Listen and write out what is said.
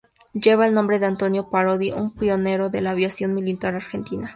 Lleva el nombre de Antonio Parodi, un pionero de la aviación militar argentina.